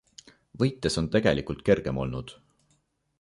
Võites on tegelikult kergem olnud.